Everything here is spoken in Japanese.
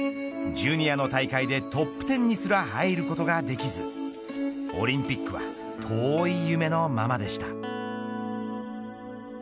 ジュニアの大会でトップ１０にすら入ることができずオリンピックは遠い夢のままでした。